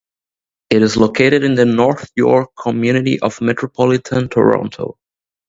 It is located in the North York community of Metropolitan Toronto.